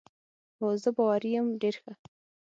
هو، زه باوري یم، ډېر ښه.